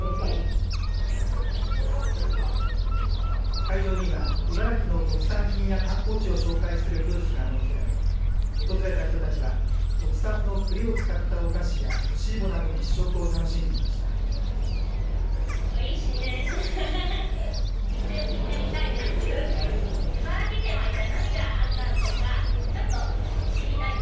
会場には茨城の特産品や観光地を紹介するブースが設けられ訪れた人たちは特産のくりを使ったお菓子や干し芋などの試食を楽しんでいました。